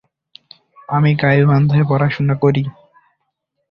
আজমের এর কিষাণগড় এ কিষানগড় বিমানবন্দরটি ভারতের বিমানবন্দর কর্তৃপক্ষ নির্মাণ করেছে।